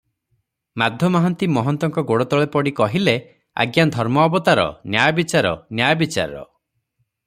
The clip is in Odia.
ମାଧ ମହାନ୍ତି ମହନ୍ତଙ୍କ ଗୋଡ଼ତଳେ ପଡ଼ି କହିଲେ, "ଆଜ୍ଞା ଧର୍ମ ଅବତାର! ନ୍ୟାୟବିଚାର, ନ୍ୟାୟ ବିଚାର ।